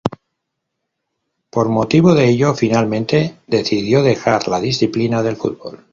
Por motivo de ello, finalmente decidió dejar la disciplina del fútbol.